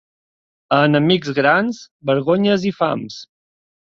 A enemics grans, vergonyes i fams.